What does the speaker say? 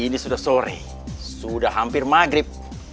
ini sudah sore sudah hampir maghrib